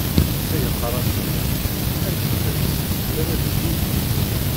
Netta yeqqar-asen: Aneft-as terra-d tili.